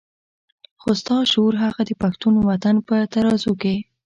خو ستا شعور هغه د پښتون وطن په ترازو کې.